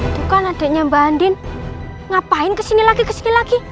itu kan adeknya mbak andin ngapain kesini lagi kesini lagi